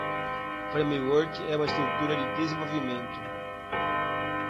Framework é uma estrutura de desenvolvimento.